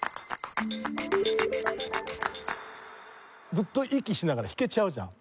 ずっと息しながら弾けちゃうじゃん。